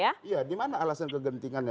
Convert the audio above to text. iya dimana alasan kegentingannya